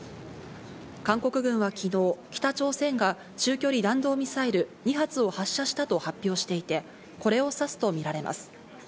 韓国軍は昨日、北朝鮮が中距離弾道ミサイル２発を発射したと発表していて、これを指すとみられます。